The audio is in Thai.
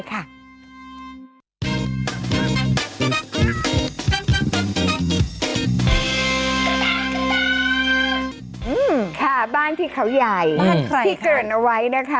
ค่ะบ้านที่เขาใหญ่บ้านใครที่เกินเอาไว้นะคะ